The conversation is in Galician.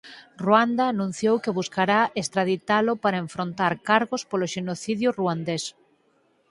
Ruanda anunciou que buscará extraditalo para enfrontar cargos polo xenocidio ruandés.